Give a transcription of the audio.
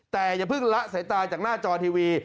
แต่อย่าเพิ่งละสายตาจากหน้าจอทีวี